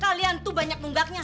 kalian tuh banyak menggaknya